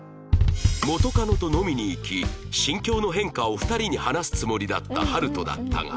元カノと飲みに行き心境の変化を２人に話すつもりだった晴翔だったが